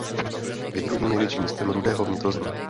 Je druhým největším městem Rudého vnitrozemí.